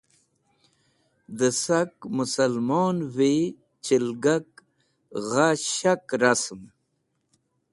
Dẽ sak mẽselmonvi chelgak gha shak rasẽm.